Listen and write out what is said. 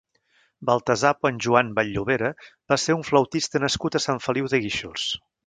Baltasar Ponsjoan Vall-llovera va ser un flautista nascut a Sant Feliu de Guíxols.